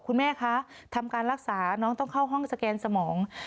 คุณแม่คะทำการรักษาน้องต้องเข้าห้องสแกนสมอง